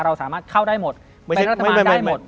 เราสามารถเข้าได้หมดเป็นรัฐบาลได้หมด